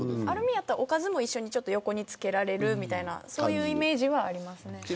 アルミやったらおかずも一緒に横につけられるみたいなそういうイメージはありますね。